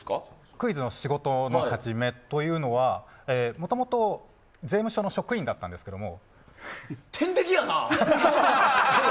クイズの仕事の初めというのはもともと税務署の職員だったんですけど。